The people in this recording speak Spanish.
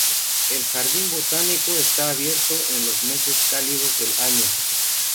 El jardín botánico está abierto en los meses cálidos del año.